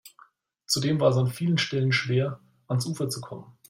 Zudem war es an vielen Stellen schwer, ans Ufer zu kommen.